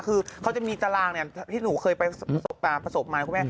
คือเขาจะมีการรางที่หนูเคยประสบมาคุณแม่